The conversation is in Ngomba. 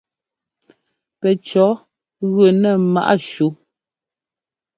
Pɛcɔ̌ gʉ nɛ ḿmaꞌ shú.